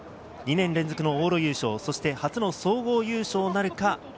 ２年連続の往路優勝、そして初の総合優勝なるか。